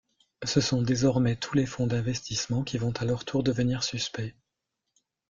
Ce sont désormais tous les fonds d'investissement qui vont à leur tour devenir suspects.